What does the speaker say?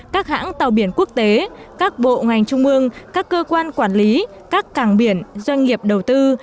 các hãng tàu biển quốc tế các bộ ngành trung ương các cơ quan quản lý các càng biển doanh nghiệp đầu tư